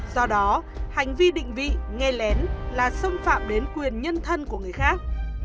do đó hành vi định vị nghe lén là xâm phạm đến quyền nhân thân của người khác